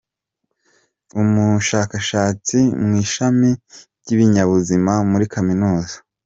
Umushakashatsi mu ishami ry’ibinyabuzima muri Kaminuza.